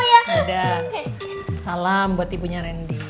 ada salam buat ibunya randy